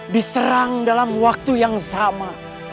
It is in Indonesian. diserang dalam waktu yang sama